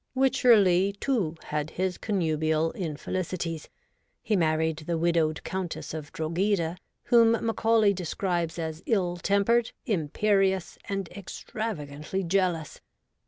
Wycherley, too, had his connubial infeUcities. He married the widowed Countess of Drogheda, whom Macaulay describes as ill tempered, imperious, and extravagantly jealous.